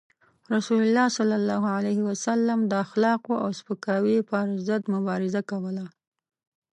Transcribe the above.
رسول الله صلى الله عليه وسلم د اخلاقو او سپکاوي پر ضد مبارزه کوله.